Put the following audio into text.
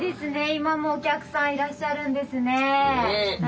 今もお客さんいらっしゃるんですね。